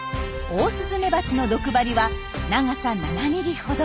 オオスズメバチの毒針は長さ７ｍｍほど。